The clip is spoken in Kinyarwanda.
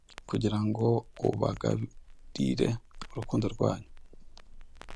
kugira ngo ubagarire urukundo rwanyu